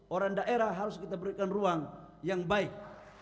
orang daerah harus kita berikan ruang yang baik